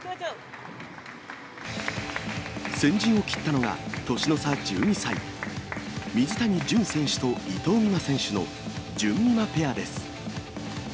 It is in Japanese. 先陣を切ったのが、年の差１２歳、水谷隼選手と伊藤美誠選手のじゅんみまペアです。